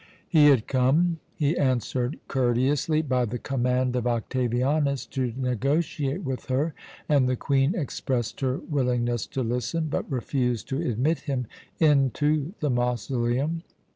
"He had come, he answered courteously, by the command of Octavianus, to negotiate with her, and the Queen expressed her willingness to listen, but refused to admit him into the mausoleum.